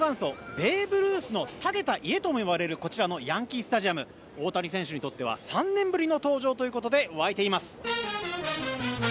ベーブ・ルースの建てた家ともいわれるこちらのヤンキー・スタジアム大谷選手にとっては３年ぶりの登場ということで沸いています。